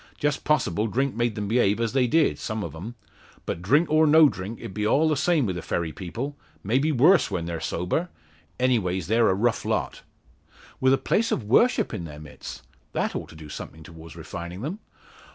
Just possible drink made them behave as they did some o' 'em. But drink or no drink it be all the same wi' the Ferry people maybe worse when they're sober. Any ways they're a rough lot." "With a place of worship in their midst! That ought to do something towards refining them."